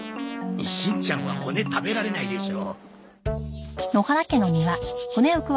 しんちゃんは骨食べられないでしょ。